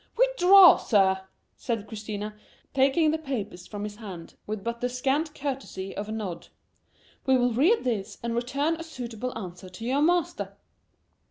"Withdraw, sir!" said Christina, taking the papers from his hand with but the scant courtesy of a nod; "we will read these and return a suitable answer to your master."